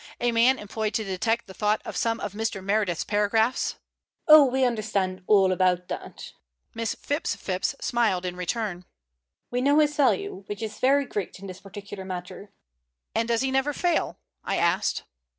A man employed to detect the thought of some of Mr. Meredith's paragraphs " "Oh, we understand all about that," Miss Phipps Phipps smiled, in return. "We know his value, which is very great in this particular matter." "And does he never fail?" I asked.